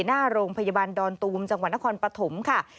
หน้าโรงพยาบาลดอนตูมจังหวัดนครปฐมค่ะ